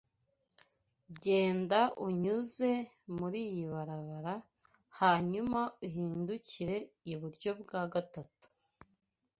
Genda unyuze muriyi barabara hanyuma uhindukire iburyo bwa gatatu.